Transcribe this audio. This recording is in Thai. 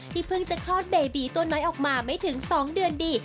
เพิ่งจะคลอดเบบีตัวน้อยออกมาไม่ถึง๒เดือนดี